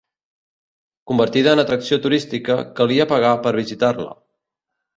Convertida en atracció turística calia pagar per visitar-la.